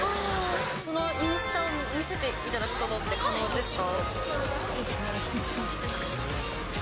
そのインスタを見せていただくことって可能ですか？